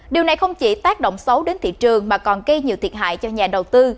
điều này không chỉ tác động xấu đến thị trường mà còn gây nhiều thiệt hại cho nhà đầu tư